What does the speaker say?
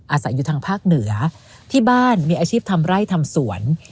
อาศัยอยู่ทางภาคเหนือที่บ้านมีอาชีพทำไร่ทำสวน